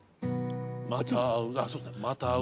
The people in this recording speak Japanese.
「また逢う」。